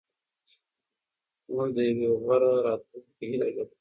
موږ د یوې غوره راتلونکې هیله لرو.